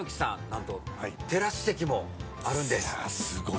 何と、テラス席もあるんです。